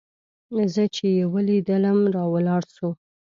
زه چې يې ولېدلم راولاړ سو.